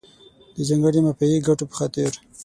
د ځانګړو مافیایي ګټو په خاطر.